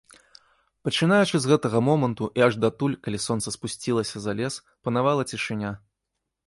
Пачынаючы з гэтага моманту і аж датуль, калі сонца спусцілася за лес, панавала цішыня.